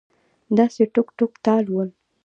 داسې ټوک ټوک تال ول